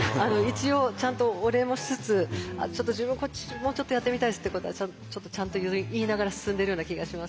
一応ちゃんとお礼もしつつちょっと自分こっちもうちょっとやってみたいですっていうことはちょっとちゃんと言いながら進んでいるような気がします。